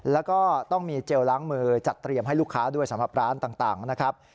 แล้วก็ต้องมีเจลล้างมือจัดเตรียมให้ลูกค้าด้วยสำหรับร้านต่างนะครับ